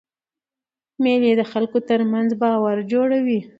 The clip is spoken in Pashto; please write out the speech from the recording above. مېلې د خلکو ترمنځ باور جوړوي.